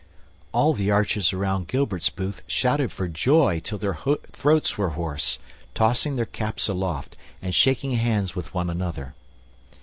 All the archers around Gilbert's booth shouted for joy till their throats were hoarse, tossing their caps aloft, and shaking hands with one another.